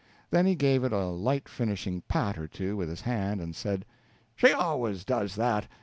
Then he gave it a light finishing pat or two with his hand, and said: "She always does that.